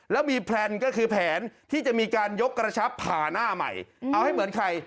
แล้วมีแพลนก็คือแผนที่จะมีการยกกระชับผ่าหน้าใหม่เอาให้เหมือนใคร